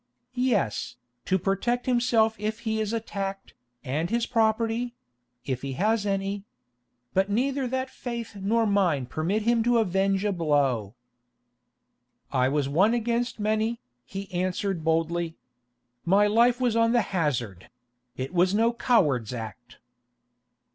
"Yes, to protect himself if he is attacked, and his property—if he has any. But neither that faith nor mine permits him to avenge a blow." "I was one against many," he answered boldly. "My life was on the hazard: it was no coward's act."